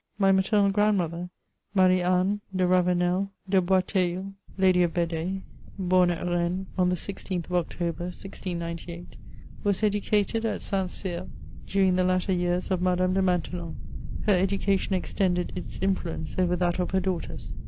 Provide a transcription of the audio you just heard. My maternal grandmother, Marie Anne de Ravenel de Bois teilleul. Lady of Bed^e (born at Rennes on the 16th of October, 1698), was educated at Saint Cyr, during the latter years of Madame de Maintenon. Her education extended its influence over that of her daughters.